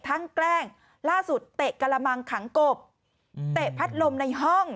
แกล้งล่าสุดเตะกระมังขังกบเตะพัดลมในห้อง